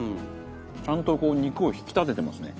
ちゃんとこう肉を引き立ててますね。